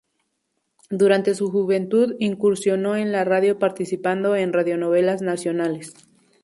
Durante su juventud incursionó en la radio participando en radionovelas nacionales.